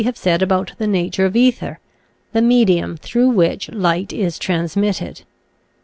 i have said about the nature of ether, the me dium through which light is transmitted.